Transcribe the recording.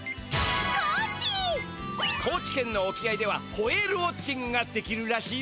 高知県のおきあいではホエールウォッチングができるらしいぜ。